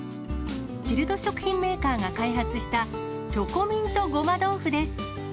チルド食品メーカーが開発した、チョコミント胡麻どうふです。